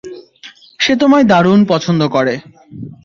সে তোমায় দারুণ পছন্দ করে!